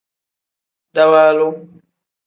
Dawaalu.